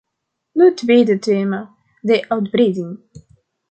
Nu het tweede thema, de uitbreiding.